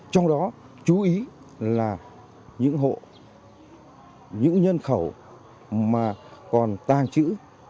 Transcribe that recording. trong đó chú ý là những hộ những nhân khẩu mà còn tàng trữ